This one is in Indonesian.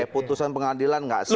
putusan pengadilan nggak sehat